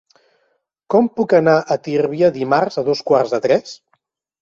Com puc anar a Tírvia dimarts a dos quarts de tres?